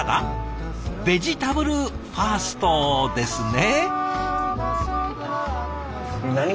ベジタブルファーストですね。